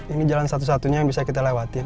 ini jalan satu satunya yang bisa kita lewatin